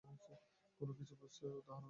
কোনো কিছু বুঝতে সহজ উদাহরণই শ্রেষ্ঠ উপায়।